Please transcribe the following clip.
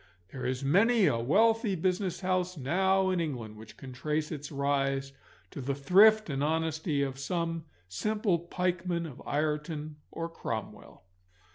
There is many a wealthy business house now in England which can trace its rise to the thrift and honesty of some simple pikeman of Ireton or Cromwell.